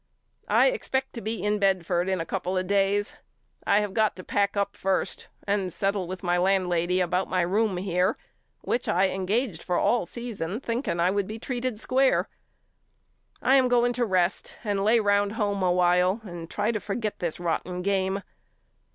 I expect to be in Bedford in a couple of days. I have got to pack up first and settle with my landlady about my room here which I engaged 44 YOU KNOW ME AL for all season thinking I would be treated square. I am going to rest and lay round home a while and try to forget this rotten game.